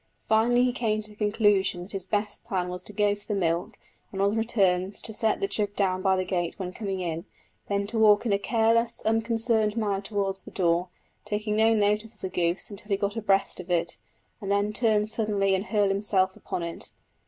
Finally he came to the conclusion that his best plan was to go for the milk and on his return to set the jug down by the gate when coming in, then to walk in a careless, unconcerned manner towards the door, taking no notice of the goose until he got abreast of it, and then turn suddenly and hurl himself upon it.